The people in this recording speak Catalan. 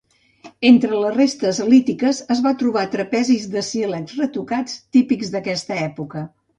Entre les restes lítiques es va trobar trapezis de sílex retocats, típics d'aquesta època.